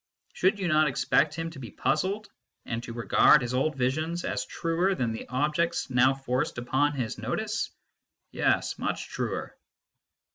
Should you not expect him to be puzzled, and to regard his old visions as truer than the objects now forced upon his notice ? Yes, much truer.